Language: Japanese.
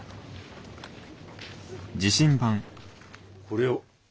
これを。